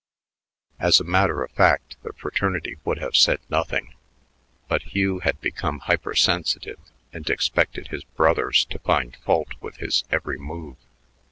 As a matter of fact, the fraternity would have said nothing, but Hugh had become hypersensitive and expected his "brothers" to find fault with his every move.